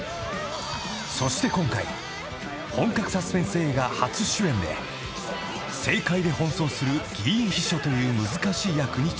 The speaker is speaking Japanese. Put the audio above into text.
［そして今回本格サスペンス映画初主演で政界で奔走する議員秘書という難しい役に挑戦］